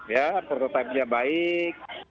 ya prototipe nya baik